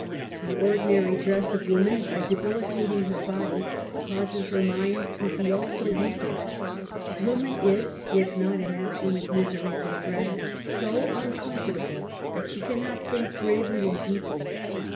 The ordinary dress of woman by debilitating her body causes her mind to be also weakened. Woman is, if not in absolute misery from dress, so uncomfortable that she cannot think gravely 'and deeply.